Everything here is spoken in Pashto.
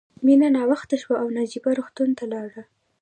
مینه ناوخته شوه او ناجیه روغتون ته لاړه